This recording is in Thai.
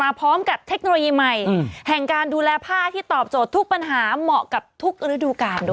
พร้อมกับเทคโนโลยีใหม่แห่งการดูแลผ้าที่ตอบโจทย์ทุกปัญหาเหมาะกับทุกฤดูกาลด้วย